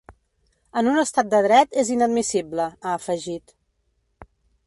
En un estat de dret és inadmissible, ha afegit.